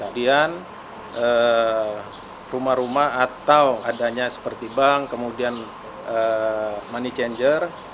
kemudian rumah rumah atau adanya seperti bank kemudian money changer